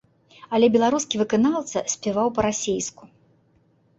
Але беларускі выканаўца спяваў па-расейску.